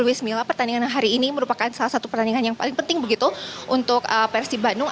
luis mila pertandingan hari ini merupakan salah satu pertandingan yang paling penting begitu untuk persib bandung